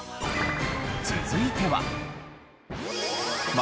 続いては。